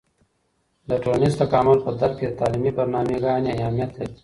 د ټولنیز تکامل په درک کې د تعلیمي برنامه ګانې اهیمت لري.